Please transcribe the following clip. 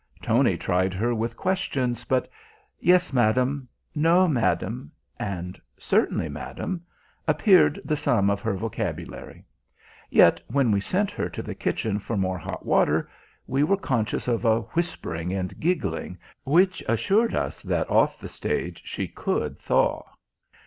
Tony tried her with questions, but "Yes, madam," "No, madam," and "Certainly, madam," appeared the sum of her vocabulary. Yet when we sent her to the kitchen for more hot water, we were conscious of a whispering and giggling which assured us that off the stage she could thaw.